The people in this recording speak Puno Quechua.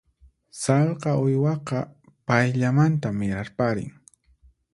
Sallqa uywaqa payllamanta mirarparin.